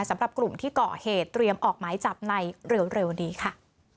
สำหรับกลุ่มที่ก่อเหตุเตรียมออกหมายจับในเร็วนี้ค่ะ